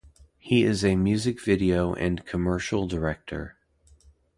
He is a music video and commercial director.